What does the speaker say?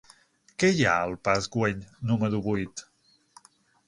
Què hi ha al parc Güell número vuit?